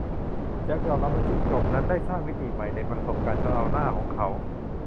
แจ็คยอมรับว่าจิ้งจกนั้นได้สร้างมิติใหม่ในประสบการณ์ซาวน่าของเขา